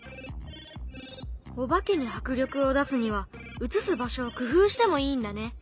お化けに迫力を出すには映す場所を工夫してもいいんだね。